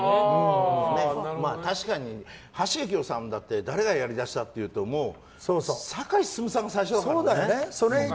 確かに橋幸夫さんだって誰がやりだしたかといったらもう、サカイ・ススムさんが最初だからね。